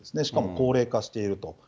しかも高齢化していると。